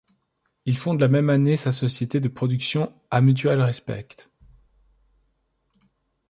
Il fonde la même année sa société de production A Mutual Respect.